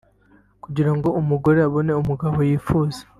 Kugirango umugore abone umugabo yifuza